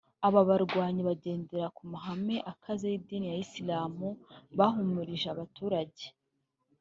Aba barwanyi bagendera ku mahame akaze y’idini ya Islam bahumurije abaturage